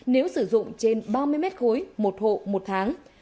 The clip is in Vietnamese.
nếu sử dụng trên ba mươi mét khối một hộ một tháng